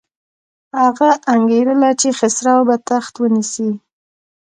هغه انګېرله چې خسرو به تخت ونیسي.